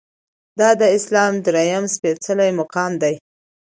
دا د اسلام درېیم سپیڅلی مقام دی.